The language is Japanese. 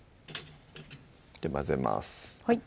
混ぜます